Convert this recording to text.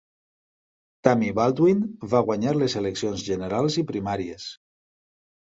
Tammy Baldwin va guanyar les eleccions generals i primàries.